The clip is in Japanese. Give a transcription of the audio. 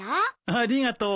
ありがとう。